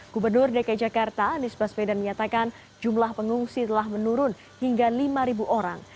gubernur dki jakarta anies baswedan menyatakan jumlah pengungsi telah menurun hingga lima orang